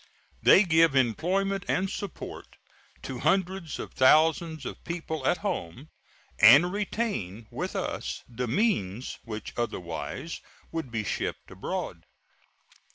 They give employment and support to hundreds of thousands of people at home, and retain with us the means which otherwise would be shipped abroad.